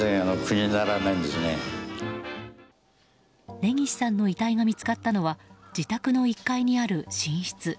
根岸さんの遺体が見つかったのは自宅の１階にある寝室。